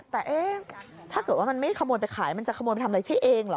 แต่เอ๊ะถ้าเกิดว่ามันไม่ขโมยไปขายมันจะขโมยไปทำอะไรใช่เองเหรอ